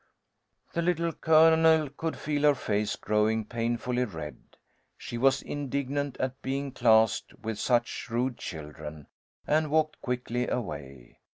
The Little Colonel could feel her face growing painfully red. She was indignant at being classed with such rude children, and walked quickly away.